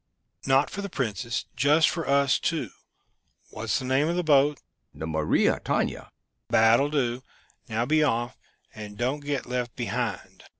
"Not for the Princess; just for us two. What's the name of the boat?" "The Mary Tania!" "That'll do. Now be off, and don't get left behind."